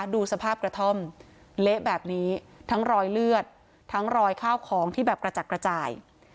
ดูสภาพกระท่อมเละแบบนี้ทั้งรอยเลือดทั้งรอยข้าวของที่แบบกระจัดกระจาย